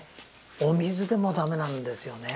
お水でも駄目なんですよね。